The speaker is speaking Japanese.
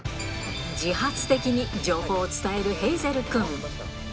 自発的に情報を伝えるヘイゼル君。